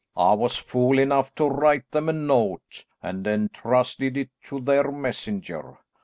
I was fool enough to write them a note, and entrusted it to their messenger.